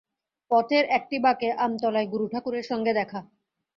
পথের একটি বাঁকে আমতলায় গুরুঠাকুরের সঙ্গে দেখা।